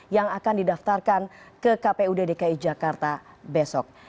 yang akan didaftarkan ke kpud dki jakarta besok